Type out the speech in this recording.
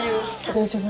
大丈夫。